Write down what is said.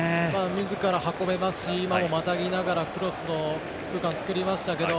みずから運べますし今も、またぎながらクロスの空間を作りましたけど。